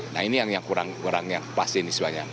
nah ini yang kurangnya pasti ini semuanya